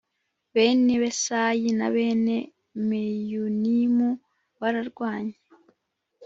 Bene Besayi Na Bene Meyunimu bararwanye